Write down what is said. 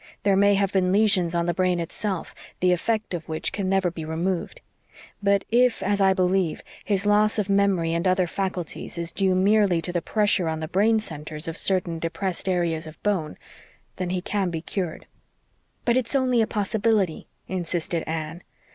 There may have been lesions of the brain itself, the effect of which can never be removed. But if, as I believe, his loss of memory and other faculties is due merely to the pressure on the brain centers of certain depressed areas of bone, then he can be cured." "But it's only a possibility!" insisted Anne.